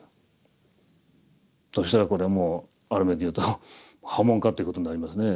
そしたらこれはもうある面で言うと破門かということになりますね。